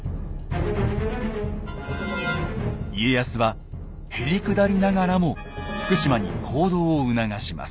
家康はへりくだりながらも福島に行動を促します。